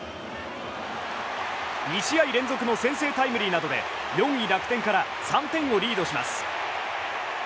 ２試合連続の先制タイムリーなどで４位楽天から３点をリードします。